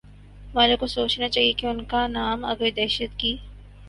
والوں کو سوچنا چاہیے کہ ان کانام اگر دہشت کی